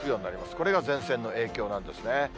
これが前線の影響なんですね。